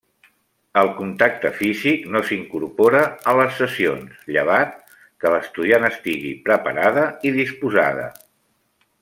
El contacte físic no s’incorpora a les sessions llevat que l'estudiant estigui preparada i disposada.